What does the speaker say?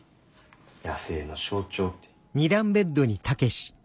「野生の象徴」って。